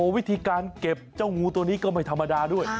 วิธีการเก็บเจ้างูตัวนี้ก็ไม่ธรรมดาด้วย